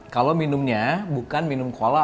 kalau minumnya bukan minum kola